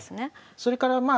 それからまあ